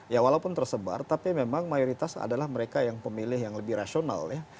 ya walaupun tersebar tapi memang mayoritas adalah mereka yang pemilih yang lebih rasional ya